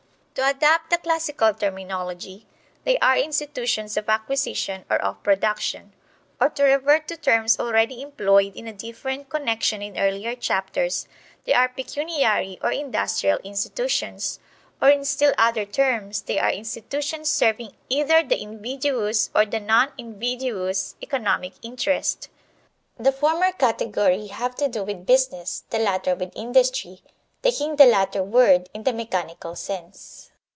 To adapt the classical terminology, they are institutions of acquisition or of production; or to revert to terms already employed in a different connection in earlier chapters, they are pecuniary or industrial institutions; or in still other terms, they are institutions serving either the invidious or the non invidious economic interest. The former category have to do with "business," the latter with industry, taking the latter word in the mechanical sense.